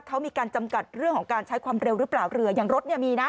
เขามีการจำกัดเรื่องของการใช้ความเร็วหรือเปล่าเรืออย่างรถเนี่ยมีนะ